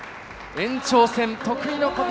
延長戦、得意の小手。